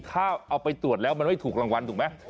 ถ้าเอาไปตรวจแล้วมันไม่ถูกรางวัลถูกไหม